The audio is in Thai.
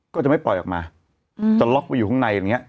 ก็จะไม่ปล่อยออกมาจะล็อกไปอยู่ข้างในอย่างนี้